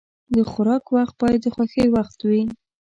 د خوراک وخت باید د خوښۍ وخت وي.